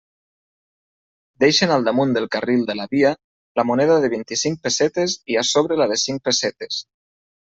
Deixen al damunt del carril de la via la moneda de vint-i-cinc pessetes i a sobre la de cinc pessetes.